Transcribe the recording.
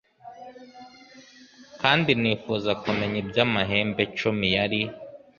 kandi nifuza kumenya iby amahembe cumi yari